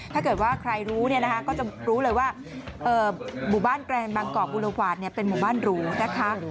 ถ้าเกิดว่าใครรู้เนี่ยนะคะก็จะรู้เลยว่าหมู่บ้านแกรนบางกอกกุลกวาดเป็นหมู่บ้านหรูนะคะ